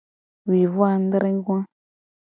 Wuivoadregoa.